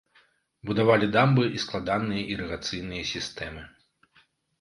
Будавалі дамбы і складаныя ірыгацыйныя сістэмы.